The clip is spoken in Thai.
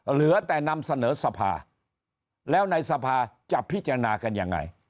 เหลือแต่นำเสนอสภาแล้วในสภาจะพิจารณากันยังไง